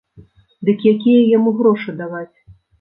Дык якія яму грошы даваць?